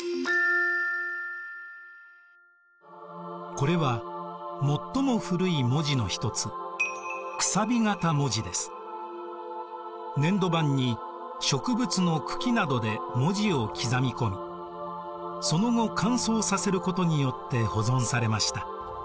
これは最も古い文字の一つ粘土板に植物の茎などで文字を刻み込みその後乾燥させることによって保存されました。